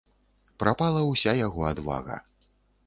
Прапала ўся яго адвага.